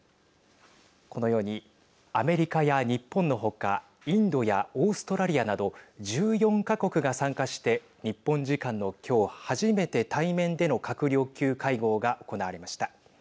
このようにアメリカや日本の他インドやオーストラリアなど１４か国が参加して日本時間の今日、初めて対面での閣僚級会合が行われました。